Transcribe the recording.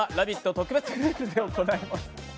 特別ルールで行います。